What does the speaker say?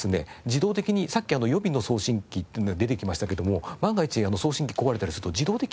自動的にさっき予備の送信機っていうのが出てきましたけども万が一送信機壊れたりすると自動で切り替わるようにですね